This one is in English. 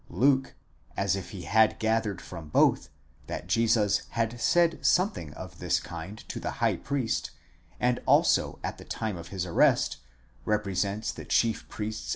Luke, as if he had gathered from both, that Jesus had said something of this kind to the high priest, and also at the time of his arrest, represents the chief priests and elders ' Paulus, exeg.